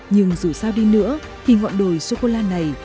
nhưng dù sao đi nữa thì ngọn đồi sô cô la này